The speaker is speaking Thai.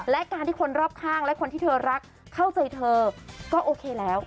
และการที่คนรอบข้างและคนที่เธอรักเข้าใจเธอก็โอเคแล้ว